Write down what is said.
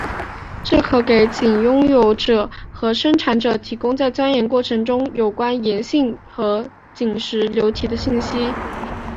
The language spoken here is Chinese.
这可给井拥有者和生产者提供在钻井过程中有关岩性和井中流体的信息。